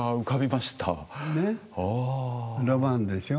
ロマンでしょ。